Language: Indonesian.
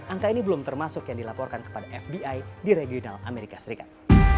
angka ini belum termasuk yang dilaporkan kepada fbi di regional amerika serikat